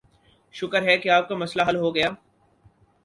شکر ہے کہ آپ کا مسئلہ حل ہوگیا۔